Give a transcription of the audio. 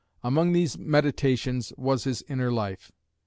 Among these meditations was his inner life.